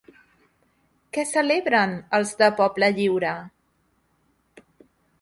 Què celebren els de Poble Lliure?